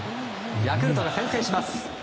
ヤクルトが先制します。